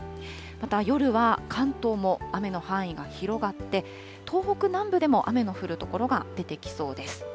また夜は関東も雨の範囲が広がって、東北南部でも雨の降る所が出てきそうです。